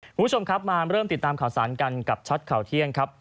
คุณผู้ชมครับมาเริ่มติดตามข่าวสารกันกับชัดข่าวเที่ยงครับ